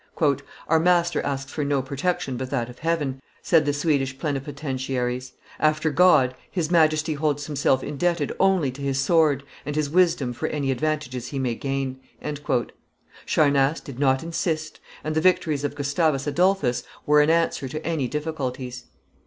"Our master asks for no protection but that of Heaven, said the Swedish plenipotentiaries; "after God, his Majesty holds himself indebted only to his sword and his wisdom for any advantages he may gain." Charnace did not insist; and the victories of Gustavus Adolphus were an answer to any difficulties.